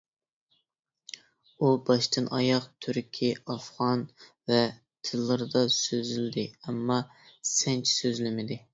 ئۇ باشتىن ئاياق تۈركى، ئافغان ۋە تىللىرىدا سۆزلىدى ئەمما سەنچە سۆزلىمىدى.